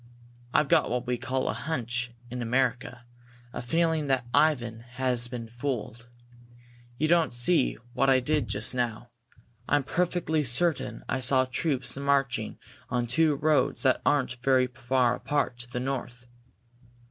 "I've got what we call a hunch in America a feeling that Ivan has been fooled. You didn't see what I did just now. I'm perfectly certain I saw troops marching on two roads that aren't very far apart, to the north."